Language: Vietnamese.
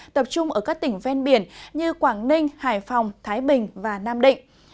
tập trung ở các tỉnh ven biển như quảng ninh hải phòng thái bình và nam định